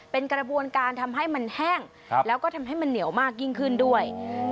เป็นกระบวนการทำให้มันแห้งแล้วก็ทำให้มันเหนียวมากยิ่งขึ้นด้วย